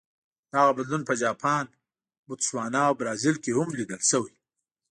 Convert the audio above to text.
دغه بدلون په جاپان، بوتسوانا او برازیل کې هم لیدل شوی.